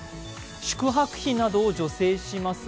宿泊費などを助成します